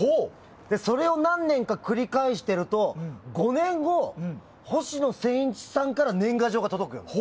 それを何年か繰り返していると５年後星野仙一さんから年賀状が届く。